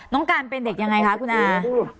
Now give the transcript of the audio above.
การเป็นเด็กยังไงคะคุณอา